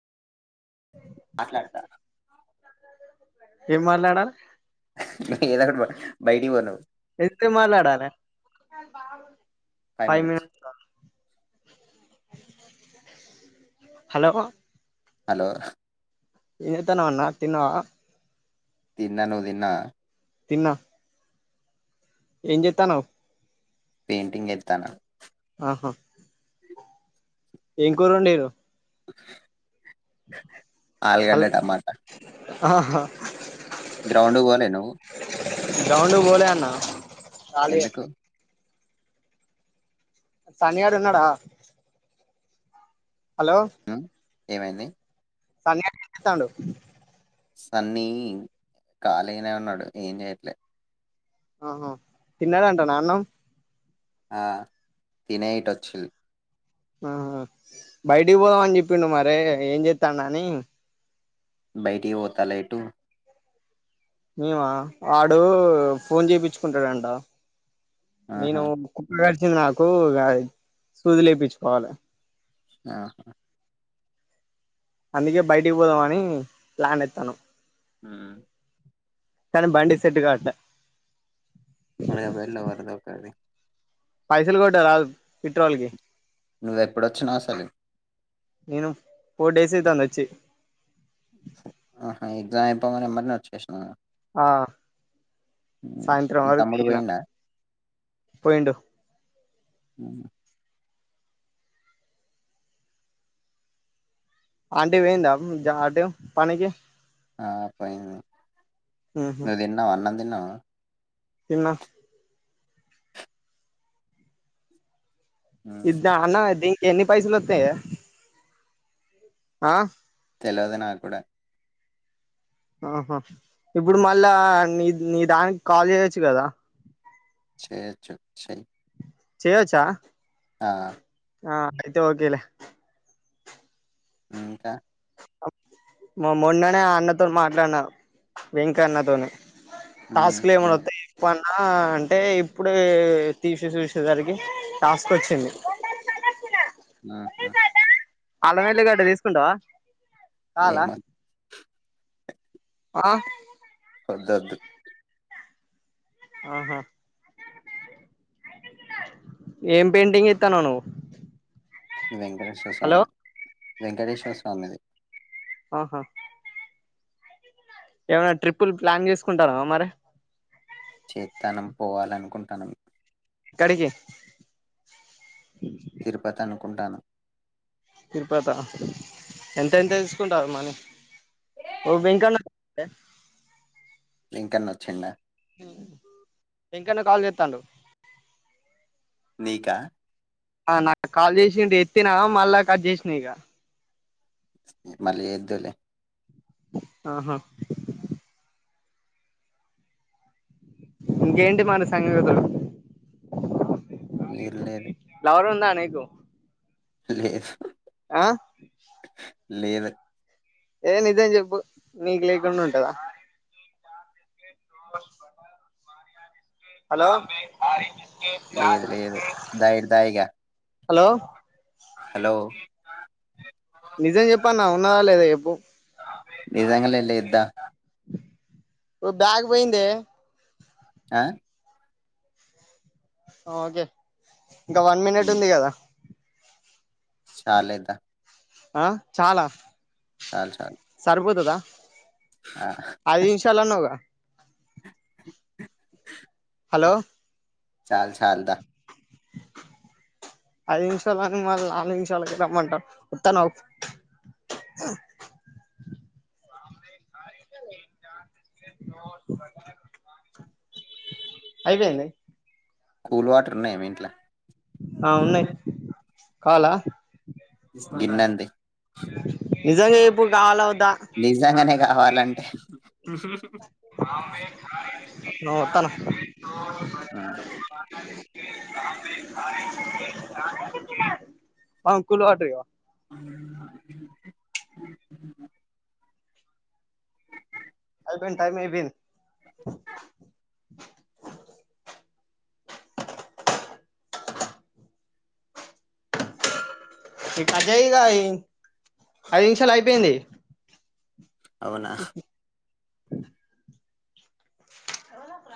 ఏం మాట్లాడాలి ఏదో ఒకటి పొ బయటికి పో నువు చాల్ బాగుంది ఫై మినట్స్ హలో అలో ఏం జీతనవన్న తిన్నవ తిన్నను నువ్ తిన్నవ తిన్నా ఏం చేతనవ్ పెయింటింగ్ ఏతన్న ఆహా ఏం కూరండిరు [inaudible] ఆలుగడ్డ హల్ టమాటా ఆహా గ్రౌండ్ కు వోలేనువ్ ఉ గ్రౌండ్ కు వోలేన్నా ఎందుకు సనిగాడు ఉన్నడా అలో ఉమ్, ఏమైంది సన్నిగాడు ఏం జేతండు సన్నీ కాలిగనే ఉన్నడు ఏం చెయట్లే ఆహా తిన్నాడ అంటా నా అన్నం ఆ తినే ఇటే వచ్చింది ఆహ బయటికి పోదాం మని చెప్పిండు మరే ఏం చేస్తా అన్నా అని బయటికి పోతల ఎటూ మేమా వాడు ఫోన్ చేపించుకుంటాడంట నేను ఆహా కుకు రాజ్ ఇచ్చేది నాకు సూదులు ఈ పించుకోవాలే ఆహా అందుకే బయటికి పోదామ అని ప్లాన్ ఎత్తానామ్ ఆ కానీ బండి సెట్టు కాట్ లే అడిపో ఎలా వరద వకా అది పైసలు కోట్ట రాదు పిట్రోల్ కి నువ్వె రెప్పుడొచ్చినస లే నేను ఫోర్ డేస్ అయితాంది వచ్చి ఆహా ఎగ్జామ్ అయిపోయేగానే ఎమ్మట్ నే వచ్చే షినా ఆ సాయంత్రం మీ వరకు తమ్ముడు దిగిన పోయిండా పోయిండు అ ఆంటే వేయంద అటుపనీకి ఆ పయింది నువ్వు తిన్నావ అన్నం తిన్నావా తిన్న ఇద్ద అన్న అది ఎన్ని పైసలు వత్త యే ఆ తెలవదే నాక్ కూడా ఆహా ఇప్పుడు మళ్ళా నీ నీ దానికి కాల్ చేయొచ్చు కదా చేయచ్చు చేయి చేయొచ్చా ఆ ఆ అయితే ఒకే లే అంటా మా మొన్ననే ఆ అన్నతో మాట్లాడిన వెంకి అన్నతోనే హ్మ్ టాస్కులు లే మొ ఏం వత్తే చెప్పు అన్న అఅంటే ఇప్పుడే తీసి చూసేసరికి టాస్క్ వచ్చింది ఆ ఆ అల్లవల్లి గడ్డ తీసుకుంటావా కావాలా ఏమద్ ఆ ఉండొద్దు ఆహా ఏం పెయింటింగ్ ఇత్తన నువ్వు వేంకటేశ్వర హలో స్వామి వెంకటేశ్వర స్వామిది ఆహా ఏమైనా ట్రిప్పులు ప్లాన్ చేసుకుంటారా మరి చేతనం పోవాలనుకుంటానమ్ కడికి కుంటాను తిరుపత ఎంత ఎంత తీసుకుంటారు మనీ ఓ ఇంకన్న ఇంకెన్న వచింద ఇంకన్నా కాల్ చేతండు నీకా నాకు కాల్ చేసి ఎత్తిన మళ్ళా కట్ చేసినా ఇక మళ్ళ ఎదులే ఆహా ఇంకేంటి మన సంగదులు ఇర్లేదు పనుంధ నికు లేదు ఆ లేదు ఏ నిజం చెప్పు నీకు లేకుండా ఉంటదా హలో లేదు లేదు దా ఇటు దా ఇగ హలో హలో నిజం చెప్పన్నా ఉన్నదా లేదా చెప్పు నిజంగా లే లేద్దా ఒ బ్యాగ్ పోయింధే ఆ ఓకే ఇంకా వన్ మినిట్ ఉంది కదా చలేద్దా ఆ చాలా చాలు చాలు సరిపోతుదా ఆ అది ఇన్షాలనవుగా హలో చల్ చల్ ధా ఐదు నిమిషాలని మళ్ళీ నాలుగు నిమిషాలకి రమ్మంటారు వత్తాను అయిపోయింది కూల్ వాటర్ వునయ మి ఇంట్లో ఆ ఉన్నాయి వునయ్ కావాలా గిన్నంది నిజంగా చెప్పు కావాలా వద్దా నిజంగానే కావాలంటే నో తను ఉమ్, అంకులు వాటరివా నన్నా టైమ్ ఐపోయింది [inaudible] అదే ఇగ ఐదు నిమిషాలు అయిపోయింది. అవునా ర [inaudible]